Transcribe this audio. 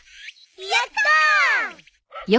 やった！